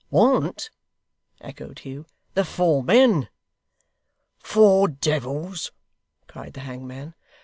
'Want!' echoed Hugh. 'The four men.' 'Four devils!' cried the hangman.